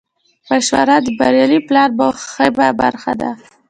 مشوره د بریالي پلان مهمه برخه ده.